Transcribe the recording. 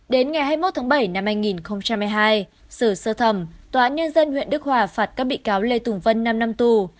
đến ngày hai mươi một tháng bảy năm hai nghìn hai mươi hai xử sơ thẩm tòa án nhân dân huyện đức hòa phạt các bị cáo lê tùng vân năm năm tù